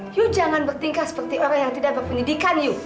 kamu jangan bertingkah seperti orang yang tidak berpendidikan ibu